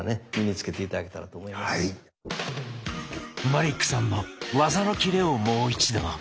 マリックさんの技のキレをもう一度。